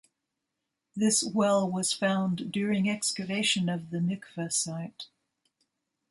This well was found during excavation of the mikvah site.